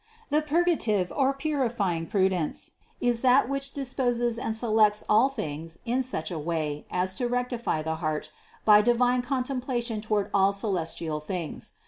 The purgative or purifying prudence is that which disposes and selects all things in such a way as to rectify the heart by divine contemplation toward all celestial things.